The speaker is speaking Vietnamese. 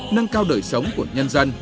nâng cao đời sống của nhân dân